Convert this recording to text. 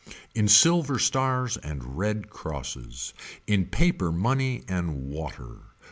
In silver stars and red crosses. In paper money and water.